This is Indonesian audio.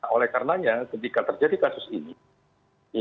oleh karenanya ketika terjadi kasus ini